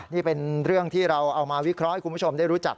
นี่เป็นเรื่องที่เราเอามาวิเคราะห์ให้คุณผู้ชมได้รู้จัก